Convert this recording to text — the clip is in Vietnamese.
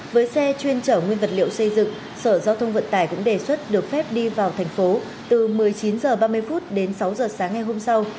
với xe chuyên chở nguyên vật liệu xây dựng sở giao thông vận tải cũng đề xuất được phép đi vào thành phố từ một mươi chín h ba mươi đến sáu h sáng ngày hôm sau